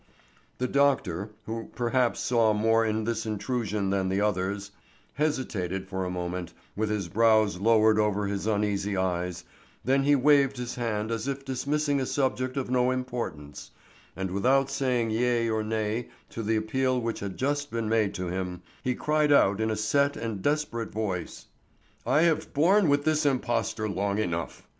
The doctor, who perhaps saw more in this intrusion than the others, hesitated for a moment, with his brows lowered over his uneasy eyes, then he waved his hand as if dismissing a subject of no importance, and without saying yea or nay to the appeal which had just been made to him, he cried out in a set and desperate voice: "I have borne with this impostor long enough.